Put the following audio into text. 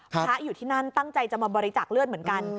พระอยู่ที่นั่นตั้งใจจะมาบริจาคเลือดเหมือนกัน